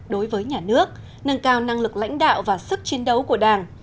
đối với nhà nước nâng cao năng lực lãnh đạo và sức chiến đấu của đảng